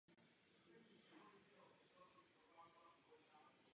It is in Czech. Na stěnách hrobek předních Egypťanů tohoto období se objevují autobiografické záznamy.